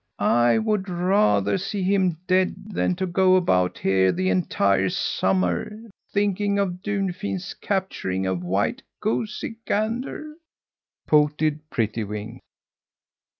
"I would rather see him dead than to go about here the entire summer thinking of Dunfin's capturing a white goosey gander!" pouted Prettywing.